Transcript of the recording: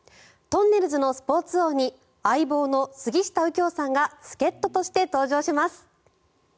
「とんねるずのスポーツ王」に「相棒」の杉下右京さんが助っ人として登場します。